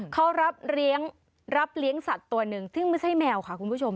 เขารับเลี้ยงสัตว์ตัวหนึ่งซึ่งไม่ใช่แมวค่ะคุณผู้ชม